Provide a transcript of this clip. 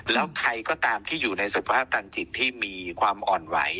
แล้วใครก็ตามที่อยู่ในสุขภาพทางจิตที่มีความอ่อนไหว